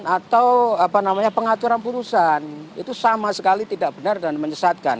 atau apa namanya pengaturan urusan itu sama sekali tidak benar dan menyesatkan